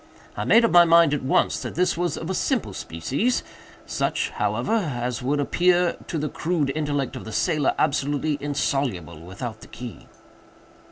I made up my mind, at once, that this was of a simple species—such, however, as would appear, to the crude intellect of the sailor, absolutely insoluble without the key."